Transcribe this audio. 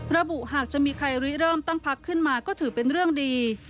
หากจะมีใครเริ่มตั้งพักขึ้นมาก็ถือเป็นเรื่องดี